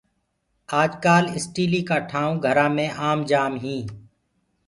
آج ڪآل اسٽيلي ڪآ ٺآئونٚ گھرآ مي آم جآم هينٚ۔